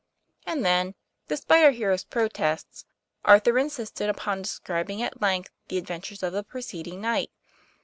And then, despite our hero's protests, Arthur in sisted upon describing at length the adventures of the preceding night.